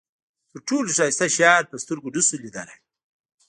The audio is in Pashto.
تر ټولو ښایسته شیان په سترګو نشو لیدلای.